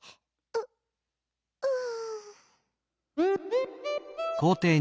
ううん。